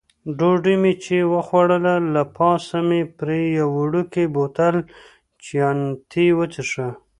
ډوډۍ مې چې وخوړله، له پاسه مې پرې یو وړوکی بوتل چیانتي وڅېښه.